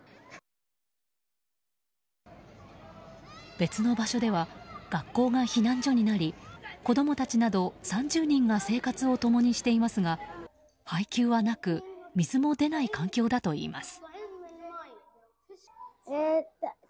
別の場所では学校が避難所になり子供たちなど３０人が生活を共にしていますが配給はなく水も出ない環境だといいます。